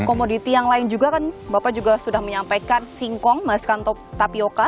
komoditi yang lain juga kan bapak juga sudah menyampaikan singkong mas kantop tapioca